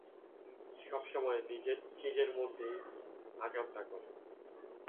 সবসময় চিজের মধ্যেই আকামটা করে।